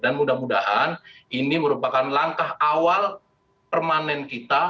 dan mudah mudahan ini merupakan langkah awal permanen kita